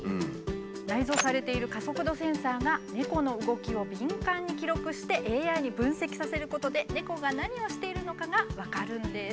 内蔵されている加速度センサーが猫の動きを敏感に記録してＡＩに分析させることで猫が何をしているのかが分かるんです。